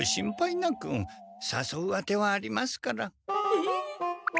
えっ？